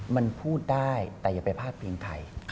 มันพูดได้แต่อย่าไปพลาดพิงใคร